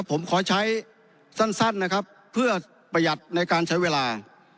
ผมขอใช้สั้นนะครับเพื่อประหยัดในการใช้เวลา